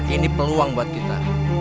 ini peluang buat kita